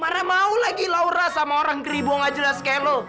mana mau lagi laura sama orang keribu gak jelas kayak lo